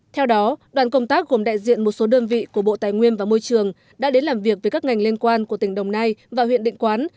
theo đó đoàn công tác gồm đại diện một số đơn vị của bộ tài nguyên và môi trường đã đến làm việc với các ngành liên quan của tỉnh đồng nai và huyện định quán